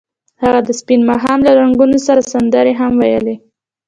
هغوی د سپین ماښام له رنګونو سره سندرې هم ویلې.